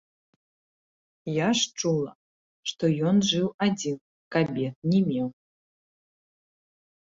Я ж чула, што ён жыў адзін, кабет не меў.